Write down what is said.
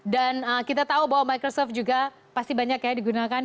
dan kita tahu bahwa microsoft juga pasti banyak ya digunakan